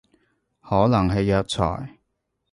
可能係藥材